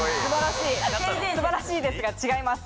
素晴らしいですが違います。